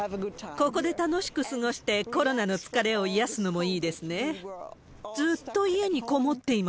ここで楽しく過ごして、コロナの疲れを癒やすのもいいですね。